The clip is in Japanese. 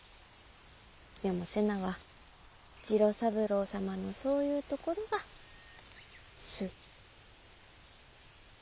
でも瀬名は次郎三郎様のそういうところが好。